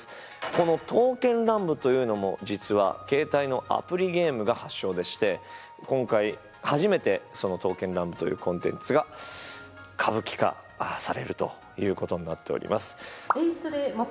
この「刀剣乱舞」というのも実は携帯のアプリゲームが発祥でして今回初めて「刀剣乱舞」というコンテンツが歌舞伎化されるということになっております。